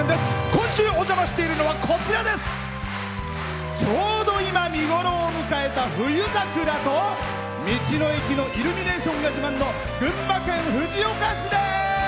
今週お邪魔しているのはちょうど今、見頃を迎えた冬桜と道の駅のイルミネーションが自慢の群馬県藤岡市です。